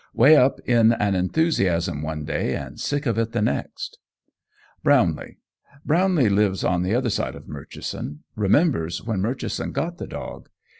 'Way up in an enthusiasm one day and sick of it the next. Brownlee Brownlee lives on the other side of Murchison remembers when Murchison got the dog.